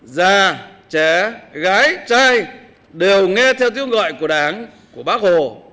già trẻ gái trai đều nghe theo tiếng gọi của đảng của bác hồ